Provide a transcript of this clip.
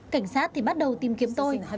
cảnh sát thì bắt đầu tìm kiếm tôi